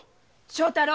正太郎！